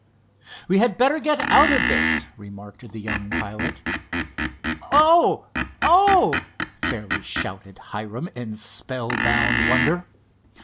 "We had better get out of this," remarked the young pilot. "O oh!" fairly shouted Hiram, in spellbound wonder.